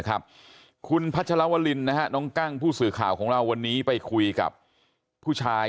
คุณพัชรวรินน้องกั้งผู้สื่อข่าวของเราวันนี้ไปคุยกับผู้ชาย